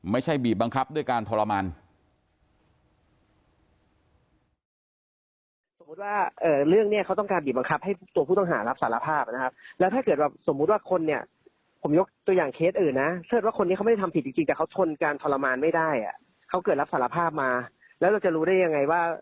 ไม่ใช่บีบังคับด้วยการทรมาน